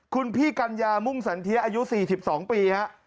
คุณพี่กัญญามุ่งสันเทียอายุ๔๒ปีฮะ